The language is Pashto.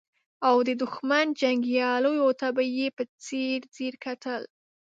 او د دښمن جنګياليو ته به يې په ځير ځير کتل.